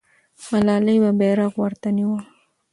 ملالۍ به بیرغ ورته نیوه.